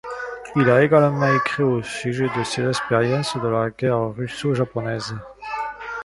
Il a également écrit au sujet de ses expériences de la guerre russo-japonaise.